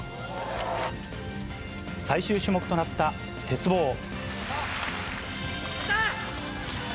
最終種目となった鉄棒。